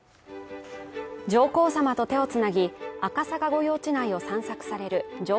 上皇さまと手をつなぎ赤坂御用地内を散策される上